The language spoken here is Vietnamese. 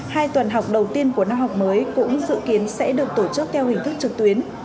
hai tuần học đầu tiên của năm học mới cũng dự kiến sẽ được tổ chức theo hình thức trực tuyến